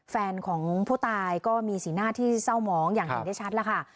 แฟนของผู้ตายก็มีสีหน้าที่เศร้าหมองอย่างเห็นได้ชัดแล้วค่ะ